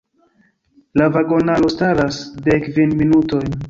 La vagonaro staras dekkvin minutojn!